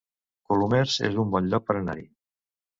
Colomers es un bon lloc per anar-hi